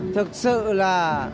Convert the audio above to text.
thực sự là